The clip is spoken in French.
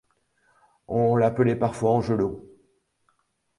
On l'appelait parfois angelot.